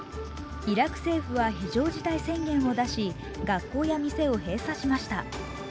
イラク政府は非常事態宣言を出し学校や店を閉鎖しました。